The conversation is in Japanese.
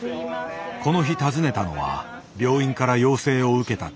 この日訪ねたのは病院から要請を受けた家庭。